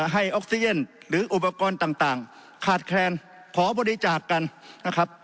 ให้ออกซิเจนหรืออุปกรณ์ต่างขาดแคลนขอบริจาคกันนะครับ